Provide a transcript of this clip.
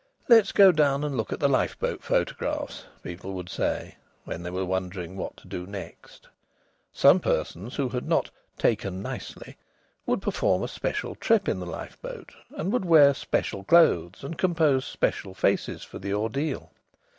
"Let's go down and look at the lifeboat photographs," people would say, when they were wondering what to do next. Some persons who had not "taken nicely" would perform a special trip in the lifeboat and would wear special clothes and compose special faces for the ordeal.